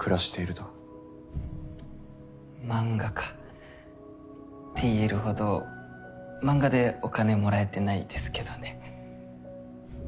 漫画家って言えるほど漫画でお金もらえてないですけどね。